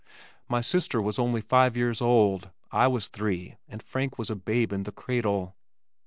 My sister was only five years old, I was three and Frank was a babe in the cradle.